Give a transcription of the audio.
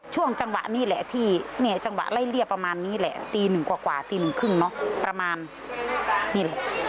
ช่วงจังหวะนี้แหละที่อยู่จังหวะละเอ้ยเลี้ยประมาณนี้แหละตีนึงกว่าจะกลงประมาณนี้แหละ